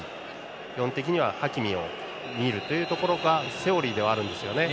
基本的にはハキミを見るというのがセオリーではあるんですね。